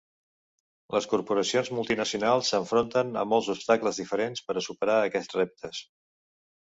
Les corporacions multinacionals s'enfronten a molts obstacles diferents per a superar aquests reptes.